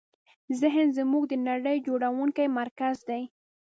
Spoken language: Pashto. ذهن زموږ د نړۍ جوړوونکی مرکز دی.